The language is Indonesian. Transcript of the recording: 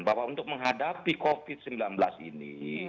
bahwa untuk menghadapi covid sembilan belas ini